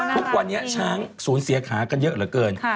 ทุกวันนี้ช้างศูนย์เสียขากันเยอะเหลือเกิน